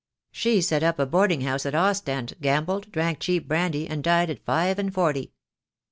She set up a boarding house at Ostend, gambled, drank cheap brandy, and died at five and forty."